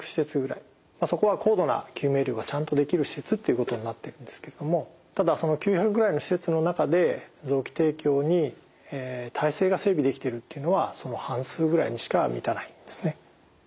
そこは高度な救命医療がちゃんとできる施設っていうことになっているんですけれどもただその９００ぐらいの施設の中で臓器提供に体制が整備できているっていうのはその半数ぐらいにしか満たないんですね。